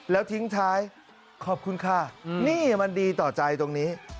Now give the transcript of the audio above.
แล้วทิ้งท้ายขอบคุณค่ะนี่มันดีต่อใจตรงนี้